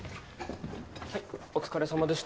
はいお疲れさまでした。